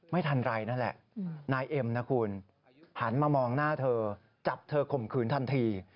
ไม่ทันไรนั่นแหละนายเอ็มนะคุณหันมามองหน้าเธอจับเธอข่มขืนทันที